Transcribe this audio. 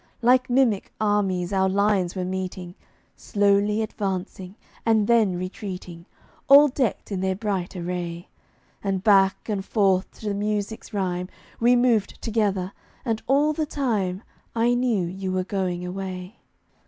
Like mimic armies our lines were meeting, Slowly advancing, and then retreating, All decked in their bright array; And back and forth to the music's rhyme We moved together, and all the time I knew you were going away.